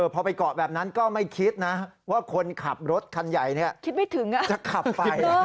พอไปเกาะแบบนั้นก็ไม่คิดนะว่าคนขับรถคันใหญ่คิดไม่ถึงจะขับไป